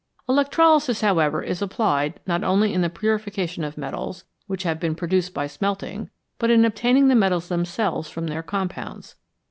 Electrolysis, however, is applied, not only in the purification of metals which have been produced by smelting, but in obtaining the metals themselves from their compounds.